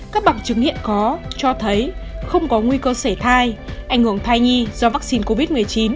các bằng chứng hiện có cho thấy không có nguy cơ xảy thai ảnh hưởng thai nhi do vaccine covid một mươi chín